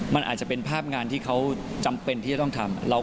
มันอาจจะเป็นภาพงานที่เขาจำเป็นที่จะต้องทำ